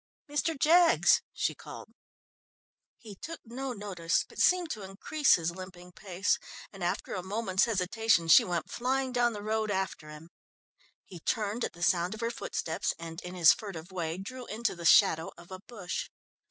"Mr. Jaggs!" she called. He took no notice, but seemed to increase his limping pace, and after a moment's hesitation, she went flying down the road after him. He turned at the sound of her footsteps and in his furtive way drew into the shadow of a bush.